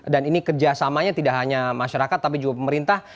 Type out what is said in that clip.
dan ini kerjasamanya tidak hanya masyarakat tapi juga pemerintah